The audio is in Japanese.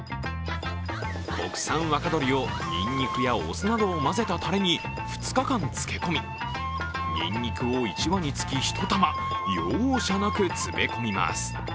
国産若鶏をにんにくやお酢などを混ぜたたれに２日間漬け込みニンニクを１羽につき１玉容赦なく詰め込みます。